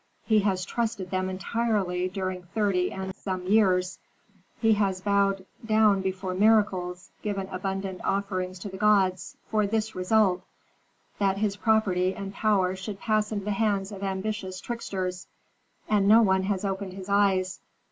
He has trusted them entirely during thirty and some years; he has bowed down before miracles, given abundant offerings to the gods, for this result, that his property and power should pass into the hands of ambitious tricksters! And no one has opened his eyes.